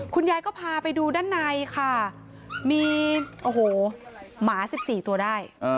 คุณยายก็พาไปดูด้านในค่ะมีโอ้โหหมา๑๔ตัวได้